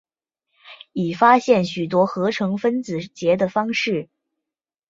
已发现许多合成分子结的方式。